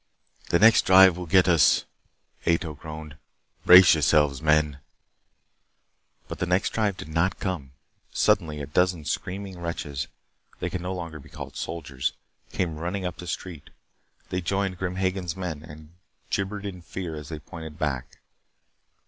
"The next drive will get us," Ato groaned. "Brace yourselves, men." But the next drive did not come. Suddenly a dozen screaming wretches they could no longer be called soldiers came running up the street. They joined Grim Hagen's men and gibbered in fear as they pointed back.